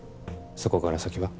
そこから先は？